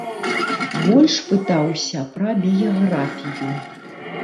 Больш пытаўся пра біяграфію.